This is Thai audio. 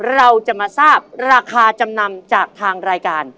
เราจะมาทราบราคาจำนำจากทางรายการ